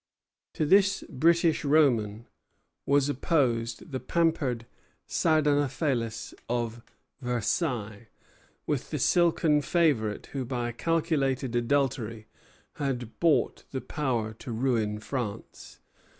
To this British Roman was opposed the pampered Sardanapalus of Versailles, with the silken favorite who by calculated adultery had bought the power to ruin France.